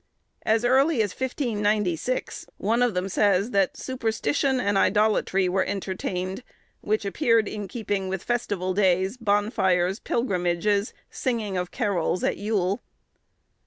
As early as 1596, one of them says, that superstition and idolatry were entertained, which appeared in keeping of festival days, bonfires, pilgrimages, singing of carols at Yule.